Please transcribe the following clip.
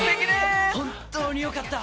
本当に良かった。